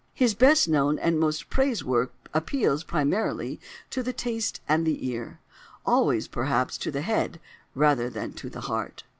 His best known and most praised work appeals, primarily, to the taste and the ear: always, perhaps, to the head rather than to the heart.